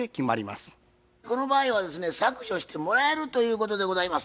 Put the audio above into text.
この場合はですね削除してもらえるということでございます。